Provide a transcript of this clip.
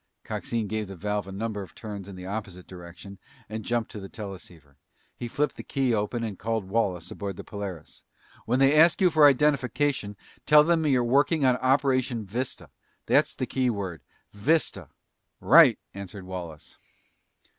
Coxine gave the valve a number of turns in the opposite direction and jumped to the teleceiver. He flipped the key open and called Wallace aboard the Polaris. "When they ask you for identification, tell them you're working on operation Vista. That's the key word. Vista!" "Right!" answered Wallace.